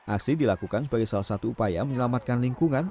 aksi dilakukan sebagai salah satu upaya menyelamatkan lingkungan